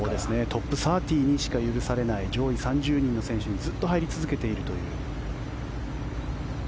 トップ３０にしか許されない上位３０人の選手にずっと入り続けているという。